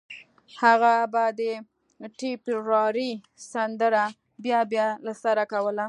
هغه به د ټيپيراري سندره بيا بيا له سره کوله